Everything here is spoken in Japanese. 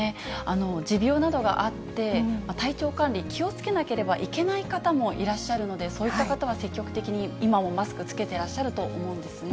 持病などがあって、体調管理、気をつけなければいけない方もいらっしゃるので、そういった方は積極的に今もマスク着けてらっしゃると思うんですね。